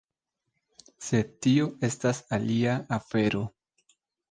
Sed tio estas alia afero.